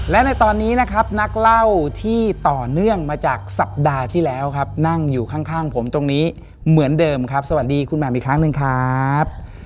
และในตอนนี้นะครับนักเล่าที่ต่อเนื่องมาจากสัปดาห์ที่แล้วครับนั่งอยู่ข้างผมตรงนี้เหมือนเดิมครับสวัสดีคุณแหม่มอีกครั้งหนึ่งครับ